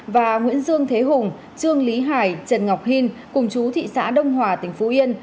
và nguyễn dương thế hùng trương lý hải trần ngọc hìn cùng chú thị xã đông hòa tỉnh phú yên